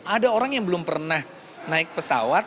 ada orang yang belum pernah naik pesawat